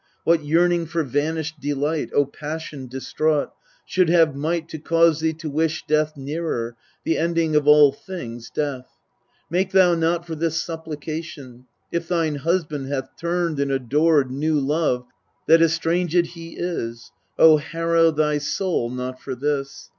What yearning for vanished delight, O passion distraught, should have might To cause thee to wish death nearer The ending of all things, death ? Make thou not for this supplication ! If thine husband hath turned and adored New love, that estranged he is, O harrow thy soul not for this.